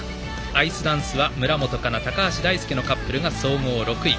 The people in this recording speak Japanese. アイスダンスは村元哉中、高橋大輔のカップルが総合６位。